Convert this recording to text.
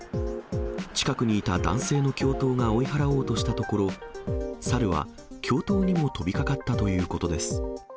近くにいた男性の教頭が追い払おうとしたところ、サルは教頭にも飛びかかったということです。